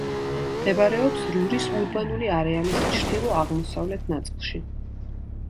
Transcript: მდებარეობს რურის ურბანული არეალის ჩრდილო-აღმოსავლეთ ნაწილში.